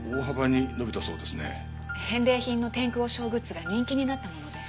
返礼品の天空和尚グッズが人気になったもので。